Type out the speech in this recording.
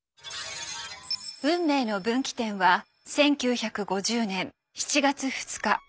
運命の分岐点は１９５０年７月２日。